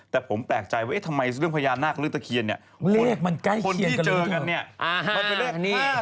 แต่ผมแปลกใจว่าทำไมเรื่องพยานนาคเลือดตะเคียนนี่